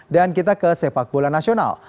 dan kita ke sepak bola nasional